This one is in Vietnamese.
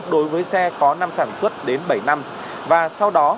đối với xe có năm sản xuất đến bảy năm và sau đó